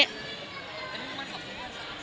แล้วมันขอบคุณค่ะขอบคุณค่ะ